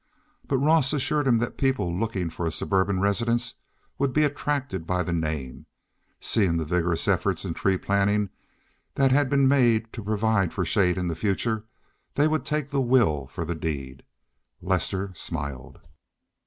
But Ross assured him that people looking for a suburban residence would be attracted by the name; seeing the vigorous efforts in tree planting that had been made to provide for shade in the future, they would take the will for the deed. Lester smiled.